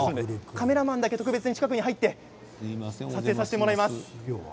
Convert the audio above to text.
カメラマンだけ特別に入って撮影させていただきます。